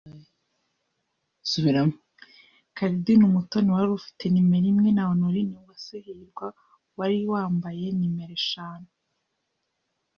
Cardine Umutoni wari ufite nimero imwe na Honorine Uwase Hirwa wari wambaye nimero eshanu